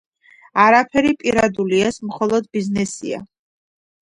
არაფერი პირადული, ეს მხოლოდ ბიზნესია.